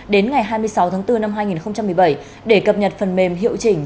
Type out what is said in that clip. đến ngày hai mươi sáu tháng bốn năm hai nghìn một mươi bảy để cập nhật phần mềm hiệu chỉnh